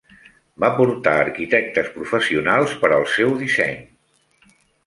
Va portar arquitectes professionals per al seu disseny.